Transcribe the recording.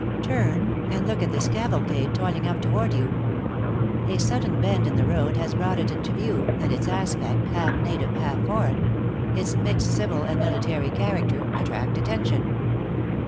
Turn and look at this cavalcade toiling up toward you. A sudden bend in the road has brought it into view, and its aspect, half native, half foreign its mixed civil and military character attract attention.